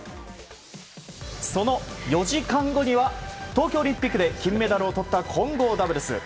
その４時間後には東京オリンピックで金メダルをとった混合ダブルス。